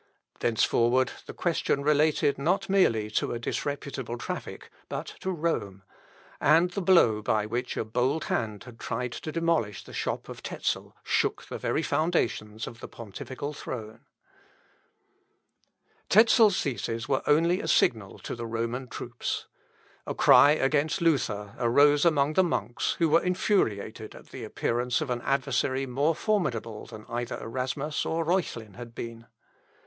Thenceforward the question related not merely to a disreputable traffic, but to Rome; and the blow by which a bold hand had tried to demolish the shop of Tezel, shook the very foundations of the pontifical throne. Tezel's theses were only a signal to the Roman troops. A cry against Luther arose among the monks, who were infuriated at the appearance of an adversary more formidable than either Erasmus or Reuchlin had been.